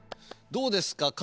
どうですか？